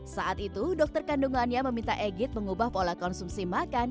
saat itu dokter kandungannya meminta egyt mengubah pola konsumsi makan